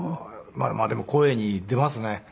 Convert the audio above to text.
まあでも声に出ますね。